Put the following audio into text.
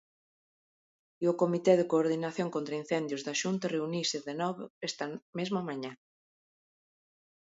E o comité de coordinación contraincendios da Xunta reuniuse de novo esta mesma mañá.